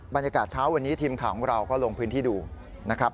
บรรยากาศเช้าวันนี้ทีมข่าวของเราก็ลงพื้นที่ดูนะครับ